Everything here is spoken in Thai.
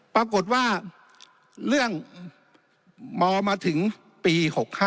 ปรากฏว่าเรื่องมอมาถึงปี๖๕